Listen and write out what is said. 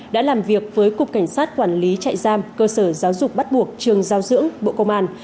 đã làm việc với cục cảnh sát quản lý trại giam cơ sở giáo dục bắt buộc trường giao dưỡng bộ công an